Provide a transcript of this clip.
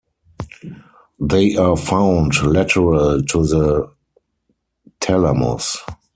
They are found lateral to the thalamus.